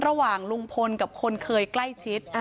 ระหว่างลุงพลกับคนเคยใกล้ชิด